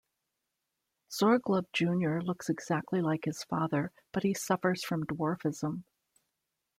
Zorglub junior looks exactly like his father, but he suffers from dwarfism.